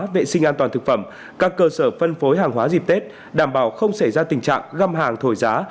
vệ sinh an toàn thực phẩm các cơ sở phân phối hàng hóa dịp tết đảm bảo không xảy ra tình trạng găm hàng thổi giá